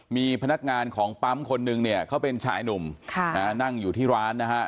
มีพนักงานของปั๊มคนนึงเนี่ยเขาเป็นชายหนุ่มนั่งอยู่ที่ร้านนะฮะ